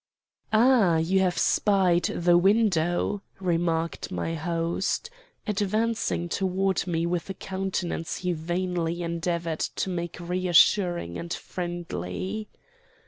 "'Ah, you have spied the window,' remarked my host, advancing toward me with a countenance he vainly endeavored to make reassuring and friendly.